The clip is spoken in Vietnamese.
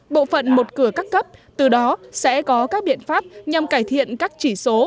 bộ phận một cửa các cấp từ đó sẽ có các biện pháp nhằm cải thiện các chỉ số